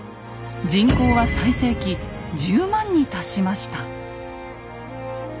人口は最盛期１０万に達しました。